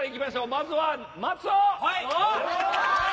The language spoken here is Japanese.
まずは松尾。